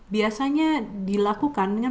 biasanya dilakukan dengan